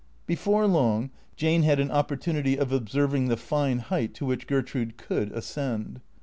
Before long Jane had an opportunity of observing the tine height to which Gertrude could ascend.